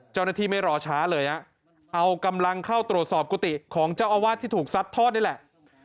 ไม่รอช้าเลยเอากำลังเข้าตรวจสอบกุฏิของเจ้าอาวาสที่ถูกซัดทอดนี่แหละ